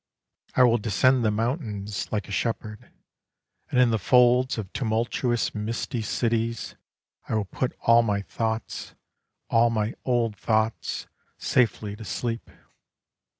I will descend the mountains like a shepherd, And in the folds of tumultuous misty cities, I will put all my thoughts, all my old thoughts, safely to sleep.